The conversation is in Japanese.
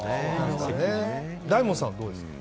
大門さん、どうですか？